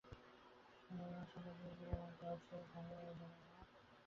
এই বিবাহের দ্বারা তোমার ভাবী সন্তানদের তুমি কোথায় দাঁড় করাচ্ছ সে কথা ভাববে না?